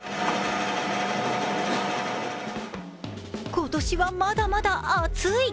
今年はまだまだ暑い。